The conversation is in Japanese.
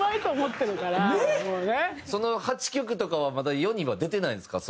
その８曲とかはまだ世には出てないんですか？